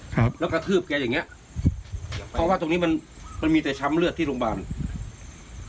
ครับแล้วกระทืบแกอย่างเงี้ยเพราะว่าตรงนี้มันมันมีแต่ช้ำเลือดที่โรงพยาบาล